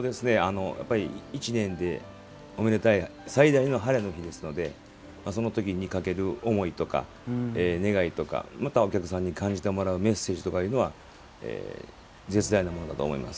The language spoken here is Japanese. １年でおめでたい最大のハレの日ですのでそのときにかける思いとか願いとか、またお客さんに感じていただくメッセージとかいうのは絶大なものだと思います。